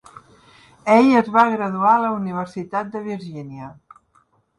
Ell es va graduar a la Universitat de Virgínia.